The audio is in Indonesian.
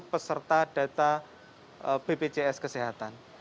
peserta data bpjs kesehatan